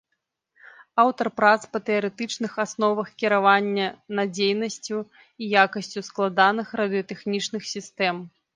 Аўтар прац па тэарэтычных асновах кіравання надзейнасцю і якасцю складаных радыётэхнічных сістэм.